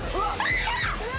うわ！